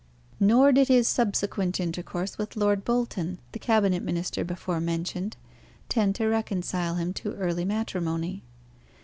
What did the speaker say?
Nor did his subsequent intercourse with Lord Bolton, the Cabinet minister before mentioned, tend to reconcile him to early matrimony.